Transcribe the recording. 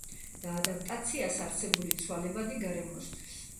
და ადაპტაციას არსებული ცვალებადი გარემოსთვის.